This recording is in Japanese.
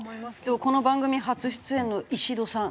でもこの番組初出演の石戸さん。